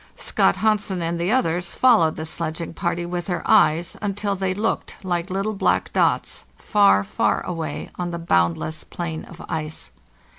Scott Hansen and the others followed the sledging party with their eyes until they looked like little black dots far, far away on the boundless plain of ice.